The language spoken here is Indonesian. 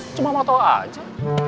cuma mau tau aja